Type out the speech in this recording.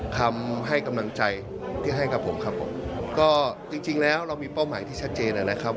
คำให้กำลังใจที่ให้กับผมครับผมก็จริงจริงแล้วเรามีเป้าหมายที่ชัดเจนนะครับ